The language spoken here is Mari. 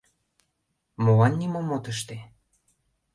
— Молан нимом от ыште?!.